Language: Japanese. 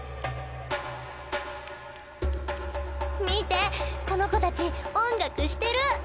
見てこの子たち音楽してる！